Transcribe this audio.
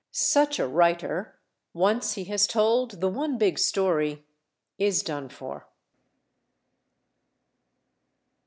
Such a writer, once he has told the one big story, is done for.